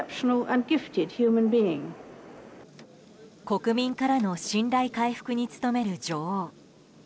国民からの信頼回復に努める女王。